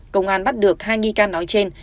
công an bắt được hai nghi can nói trên